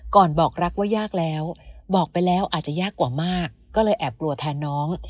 บอกรักว่ายากแล้วบอกไปแล้วอาจจะยากกว่ามากก็เลยแอบกลัวแทนน้อง